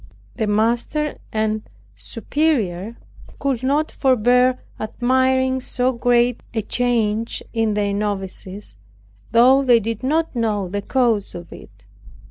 The master and superior could not forbear admiring so great a change in their novices, though they did not know the cause of it.